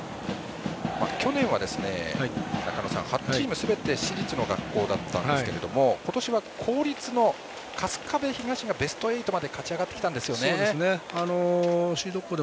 去年は８チームすべて私立の学校だったんですけれども今年は公立の春日部東がベスト８まで勝ち上がってきたんです。